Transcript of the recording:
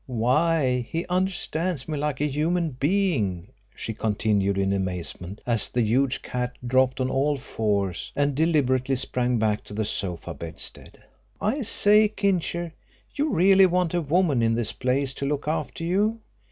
Why, he understands me like a human being," she continued in amazement as the huge cat dropped on all fours and deliberately sprang back to the sofa bedstead. "I say, Kincher, you really want a woman in this place to look after you.